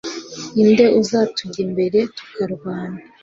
inde uzatujya imbere tukarwana